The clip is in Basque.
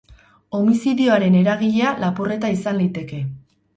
Homizidioaren eragilea lapurreta izan liteke.